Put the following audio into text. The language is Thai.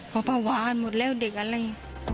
ขอบภาวะหมดแล้วเด็กอะไร